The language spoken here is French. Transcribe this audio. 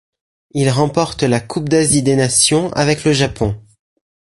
Il remporte la Coupe d'Asie des nations avec le Japon.